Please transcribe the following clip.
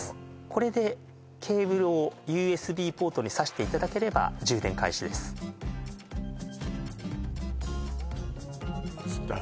これでケーブルをＵＳＢポートに差していただければ充電開始です写った？